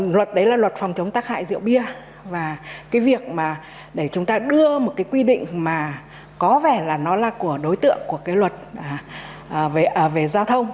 luật đấy là luật phòng chống tác hại rượu bia và cái việc mà để chúng ta đưa một cái quy định mà có vẻ là nó là của đối tượng của cái luật về giao thông